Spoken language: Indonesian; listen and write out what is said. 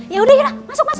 ya udah masuk masuk